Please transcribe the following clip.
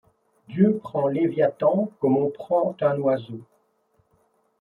Dieu prend Léviathan comme on prend un oiseau !